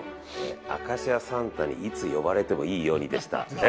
「明石家サンタ」にいつ呼ばれてもいいようにでした。